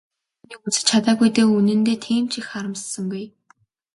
Гэвч би түүнийг үзэж чадаагүй дээ үнэндээ тийм ч их харамссангүй.